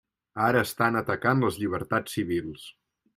Ara estan atacant les llibertats civils.